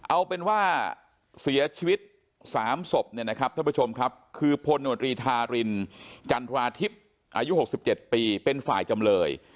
อายุหกสิบเจ็ดปีเป็นฝ่ายจำเลย